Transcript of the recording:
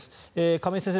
亀井先生